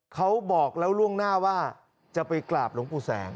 เขาบอกแล้วล่วงหน้าว่าจะไปกราบหลวงปู่แสง